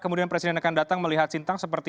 kemudian presiden akan datang melihat sintang seperti